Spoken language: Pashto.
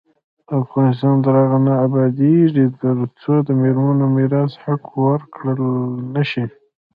افغانستان تر هغو نه ابادیږي، ترڅو د میرمنو میراث حق ورکړل نشي.